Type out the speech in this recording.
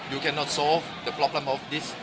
คุณคิดเรื่องนี้ได้ไหม